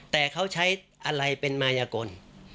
แต่เขาใช้อะไรเป็นมายกล